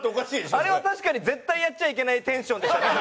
あれは絶対やっちゃいけないテンションでしたね。